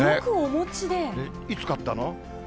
いつ買ったの？